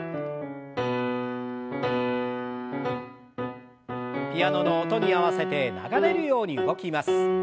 ピアノの音に合わせて流れるように動きます。